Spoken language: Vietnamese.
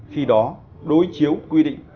khi đó đối chiếu quy định